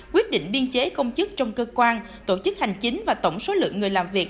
quyết định biên chế công chức trong cơ quan tổ chức hành chính và tổng số lượng người làm việc